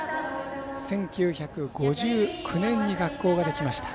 １９５９年に学校ができました。